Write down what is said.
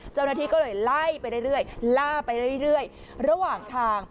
เจ้าหน้าที่ก็เลยไล่ไปเรื่อยล่าไปเรื่อยระหว่างทาง